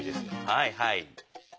はいはい。